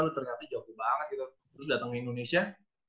lu ternyata jauh banget gitu terus datang ke indonesia